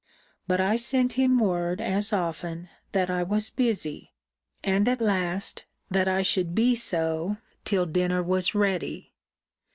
But I sent him word as often, that I was busy; and at last, that I should be so, till dinner was ready.